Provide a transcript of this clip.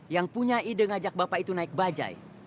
yang punya ide ngajak bapak itu naik bajai